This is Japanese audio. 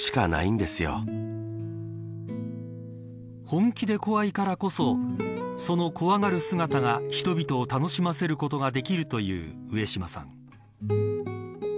本気で怖いからこそその怖がる姿が人々を楽しませることができるという上島さん。